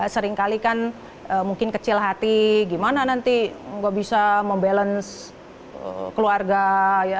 seringkali kan mungkin kecil hati gimana nanti gak bisa membalance keluarga ya